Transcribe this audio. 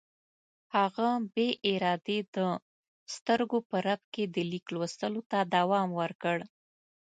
هغه بې ارادې د سترګو په رپ کې د لیک لوستلو ته دوام ورکړ.